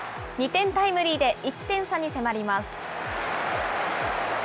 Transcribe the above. ２点タイムリーで１点差に迫ります。